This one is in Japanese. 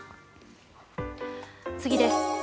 次です。